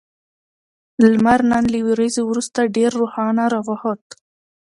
لمر نن له وريځو وروسته ډېر روښانه راوخوت